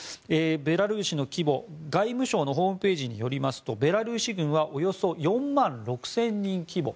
ベラルーシの規模、外務省のホームページによりますとベラルーシ軍はおよそ４万６０００人規模